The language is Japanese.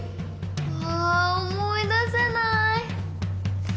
あ思い出せない！